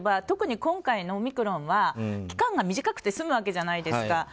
特に今回のオミクロン株は期間が短くて済むわけじゃないですか。